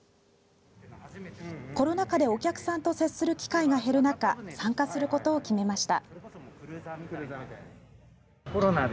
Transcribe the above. コロナ禍でお客さんと接する機会が減る中参加することを決めました。